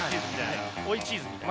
追いチーズみたいな。